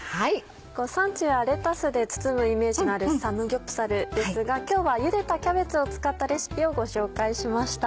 サンチュやレタスで包むイメージがあるサムギョプサルですが今日はゆでたキャベツを使ったレシピをご紹介しました。